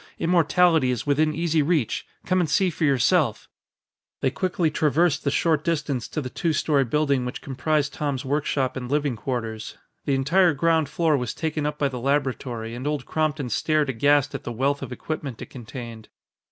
Immortality is within easy reach. Come and see for yourself." They quickly traversed the short distance to the two story building which comprised Tom's workshop and living quarters. The entire ground floor was taken up by the laboratory, and Old Crompton stared aghast at the wealth of equipment it contained.